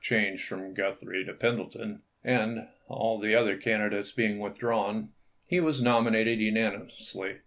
changed from Guthrie to Pendleton, and, all the other candidates being withdrawn, he was nomi nated, unanimously.